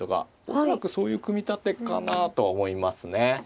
恐らくそういう組み立てかなとは思いますね。